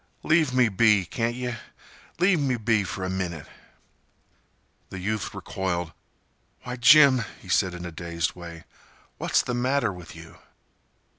"Leave me be, can't yeh? Leave me be for a minnit." The youth recoiled. "Why, Jim," he said, in a dazed way, "what's the matter with you?"